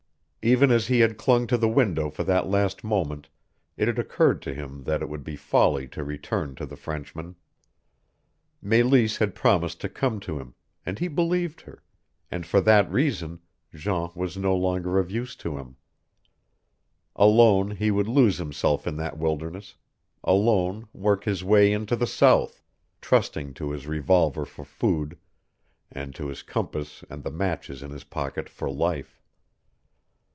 Even as he had clung to the window for that last moment it had occurred to him that it would be folly to return to the Frenchman. Meleese had promised to come to him, and he believed her, and for that reason Jean was no longer of use to him. Alone he would lose himself in that wilderness, alone work his way into the South, trusting to his revolver for food, and to his compass and the matches in his pocket for life.